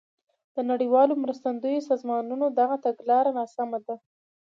د نړیوالو مرستندویو سازمانونو دغه تګلاره ناسمه ده.